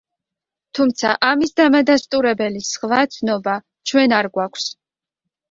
თუმცა ამის დამადასტურებელი სხვა ცნობა ჩვენ არ გვაქვს.